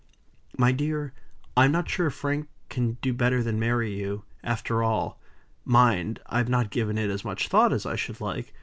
"My dear, I'm not sure if Frank can do better than marry you, after all. Mind! I've not given it as much thought as I should like.